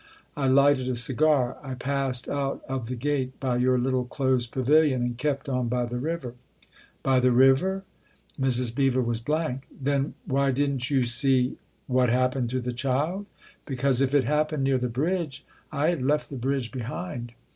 I lighted a cigar; I passed out of the gate by your little closed pavilion and kept on by the river." " By the river ?" Mrs. Beever was blank. " Then why didn't you see ?" "What happened to the child? Because if it happened near the bridge I had left the bridge behind."